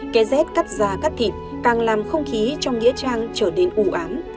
cái z cắt da cắt thịt càng làm không khí trong nghĩa trang trở đến ủ án